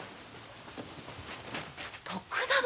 徳田殿